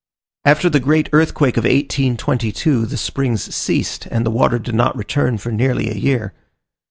After the great earthquake of 1822 the springs ceased, and the water did not return for nearly a year.